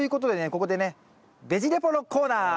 ここでね「ベジ・レポ」のコーナー！